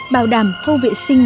bảo đảm khâu vệ sinh